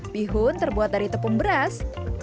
bihun terbuat dari tepung beras